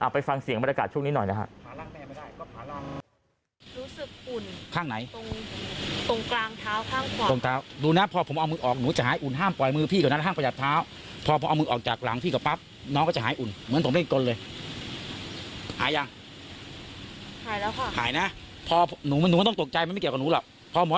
ไปฟังเสียงบรรยากาศช่วงนี้หน่อยนะครับ